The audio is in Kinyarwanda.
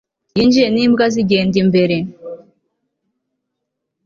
yinjiye n'imbwa zigenda imbere